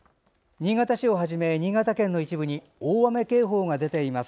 新潟市をはじめ新潟県の一部に大雨警報が出ています。